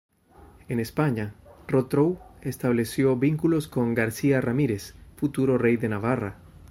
En España, Rotrou estableció vínculos con García Ramírez, futuro rey de Navarra.